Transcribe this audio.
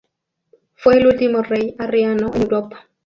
Fue el último rey arriano en Europa.